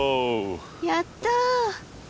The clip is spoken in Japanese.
やった！